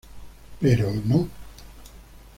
Pero no.